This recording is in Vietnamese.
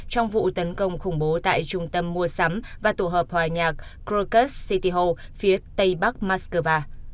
trong vụ tấn công khủng bố tại trung tâm mua sắm và tổ hợp hòa nhạc krocus city ho phía tây bắc moscow